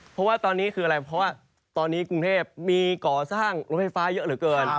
เพราะว่าตอนนี้คืออะไรเพราะว่าตอนนี้กรุงเทพมีก่อสร้างรถไฟฟ้าเยอะเหลือเกิน